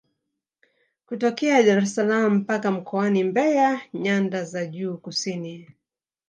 Kutokea Daressalaam mpaka mkoani Mbeya nyanda za juu kusini